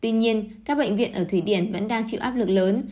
tuy nhiên các bệnh viện ở thủy điển vẫn đang chịu áp lực lớn